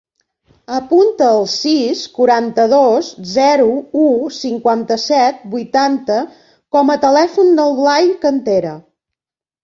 Apunta el sis, quaranta-dos, zero, u, cinquanta-set, vuitanta com a telèfon del Blai Cantera.